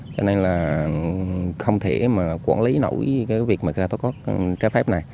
cho nên là không thể mà quản lý nổi cái việc mà có trái phép này